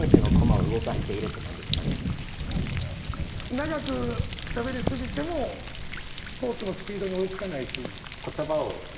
長くしゃべり過ぎてもスポーツのスピードに追いつかないし。